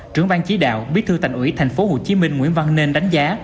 trưởng ban chí đạo bí thư thành ủy tp hcm nguyễn văn nên đánh giá